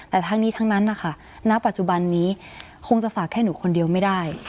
แต่ทั้งนี้ทั้งนั้นนะคะณปัจจุบันนี้คงจะฝากแค่หนูคนเดียวไม่ได้